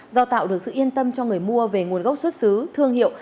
do tạo được sự yên tâm cho người mua về nguồn gốc xuất xứ thương hiệu